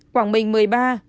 quảng bình một mươi ba